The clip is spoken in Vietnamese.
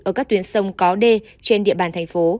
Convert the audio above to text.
ở các tuyến sông có đê trên địa bàn thành phố